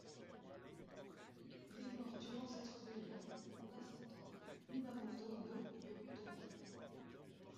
Il est mort durant cette rébellion en affrontant Minamoto no Yoritomo.